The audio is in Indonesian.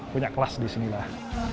punya kelas di sini lah